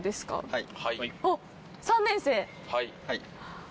はい。